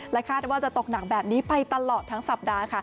คาดว่าจะตกหนักแบบนี้ไปตลอดทั้งสัปดาห์ค่ะ